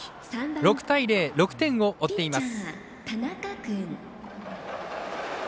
６対０、６点を追っています。